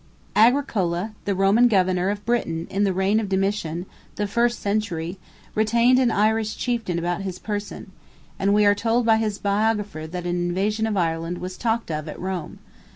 Agricola, the Roman governor of Britain in the reign of Domitian—the first century—retained an Irish chieftain about his person, and we are told by his biographer that an invasion of Ireland was talked of at Rome.